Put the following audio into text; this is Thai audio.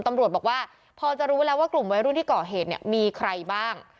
ตำรวจบอกว่าพอจะรู้แล้วว่ากลุ่มวัยรุ่นที่ก่อเหตุเนี่ยมีใครบ้าง